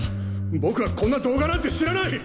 僕はこんな動画なんて知らない！